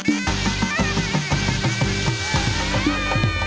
mereka akan menjelaskan kekuatan mereka